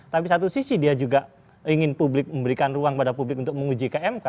tapi satu sisi dia juga ingin publik memberikan ruang pada publik untuk menguji ke mk